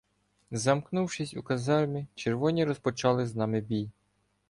Замкнувшись у казармі, червоні розпочали з нами бій.